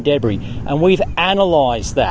dan kita telah menganalisis itu